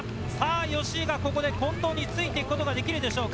吉居がここで近藤についていくことができるでしょうか。